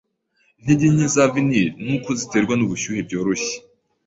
Intege nke za vinyl nuko ziterwa nubushyuhe byoroshye.